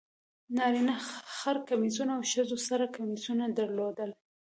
نارینه خر کمیسونه او ښځو سره کمیسونه درلودل.